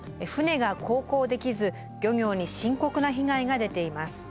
船が航行できず漁業に深刻な被害が出ています。